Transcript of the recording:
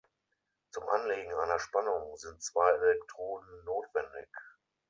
Zum Anlegen einer Spannung sind zwei Elektroden notwendig.